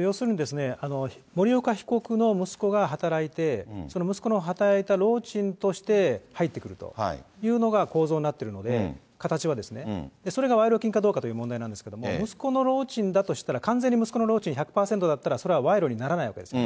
要するに、森岡被告の息子が働いて、その息子の働いた労賃として入ってくるというのが構造になってるので、形はですね、それが賄賂金かどうかという問題なんですけれども、息子の労賃だとしたら、完全に息子の労賃１００％だったら、それは賄賂にならないわけですね。